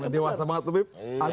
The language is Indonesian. dewa banget tuh bip